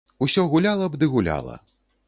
Усё гуляла б ды гуляла.